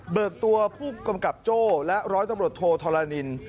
ตัวผู้กำกับโจ้และร้อยตำรวจโทธรณิน